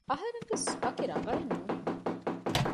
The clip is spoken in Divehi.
އަހަރެންވެސް ވަކި ރަނގަޅެއް ނޫން